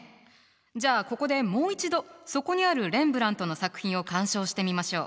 じゃあここでもう一度そこにあるレンブラントの作品を鑑賞してみましょう。